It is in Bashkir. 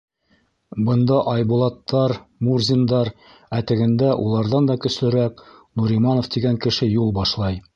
Бында Айбулаттар, Мурзиндар, ә тегендә уларҙан да көслөрәк Нуриманов тигән кеше юл башлай.